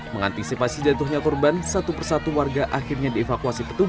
mengantisipasi jatuhnya korban satu persatu warga akhirnya dievakuasi petugas